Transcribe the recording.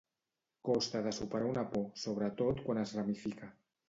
Costa de superar una por, sobretot quan es ramifica.